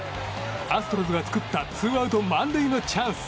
アストロズが作ったツーアウト満塁のチャンス。